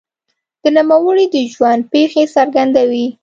د نوموړي د ژوند پېښې څرګندوي.